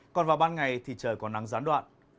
còn vào ban ngày thì trời còn nắng gián đoạn